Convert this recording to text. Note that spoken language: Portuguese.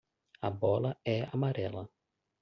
A bola é amarela.